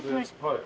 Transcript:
はい。